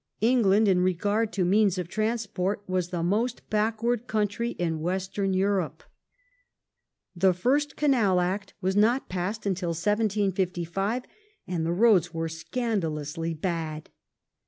England, in regard to means of transport, was the most backward country in Western Europe. The first Canal Act was not passed until 1755 and the roads were scandalously bad.